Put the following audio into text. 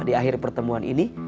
di akhir pertemuan ini